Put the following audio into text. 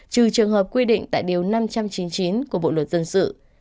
trừ trường hợp quy định tại điều năm trăm chín mươi chín của bộ luật dân sự